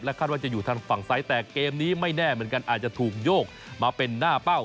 คาดว่าจะอยู่ทางฝั่งซ้ายแต่เกมนี้ไม่แน่เหมือนกันอาจจะถูกโยกมาเป็นหน้าเป้า